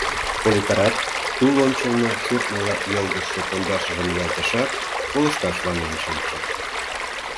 Поликарат тул ончылно шӧртньыла йылгыжше пондашыжым ниялтышат, колышташ ваҥен шинче.